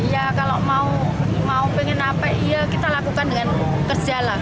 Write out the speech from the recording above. ya kalau mau pengen apa iya kita lakukan dengan kerja lah